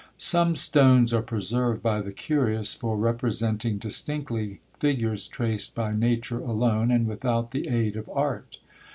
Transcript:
Some stones are preserved by the curious, for representing distinctly figures traced by nature alone, and without the aid of art.